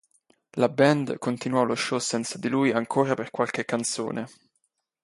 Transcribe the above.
La band continuò lo show senza di lui ancora per qualche canzone.